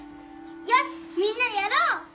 よしみんなでやろう！